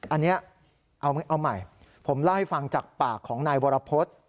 อันนี้เอาใหม่ผมเล่าให้ฟังจากปากของนายวรพฤษ